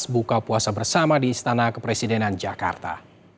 buka puasa bersama di istana kepresidenan jakarta